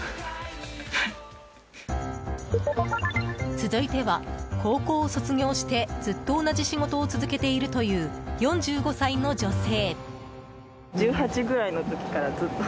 続いては、高校を卒業してずっと同じ仕事を続けているという、４５歳の女性。